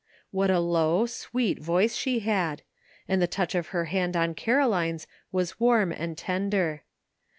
What a low,*sweet voice she had ! and the touch of her hand on Caroline's was warm and tender.